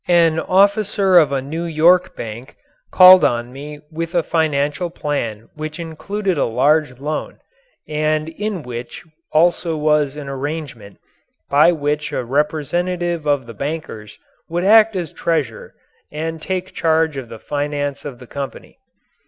An officer of a New York bank called on me with a financial plan which included a large loan and in which also was an arrangement by which a representative of the bankers would act as treasurer and take charge of the finance of the company.